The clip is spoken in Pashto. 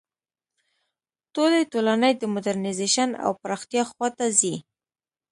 ټولې ټولنې د موډرنیزېشن او پراختیا خوا ته ځي.